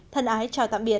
thân ái chào tạm biệt